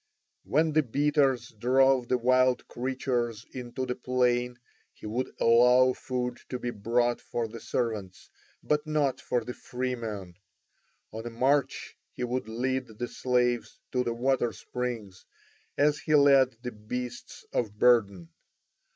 When the beaters drove the wild creatures into the plain he would allow food to be brought for the servants, but not for the free men; on a march he would lead the slaves to the water springs as he led the beasts of burden.